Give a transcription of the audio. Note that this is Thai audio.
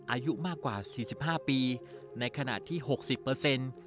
อายุมากกว่าสี่สิบห้าปีในขณะที่หกสิบเปอร์เซ็นต์